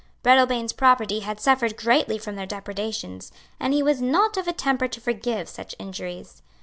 Breadalbane's property had suffered greatly from their depredations; and he was not of a temper to forgive such injuries.